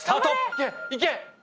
いけいけ！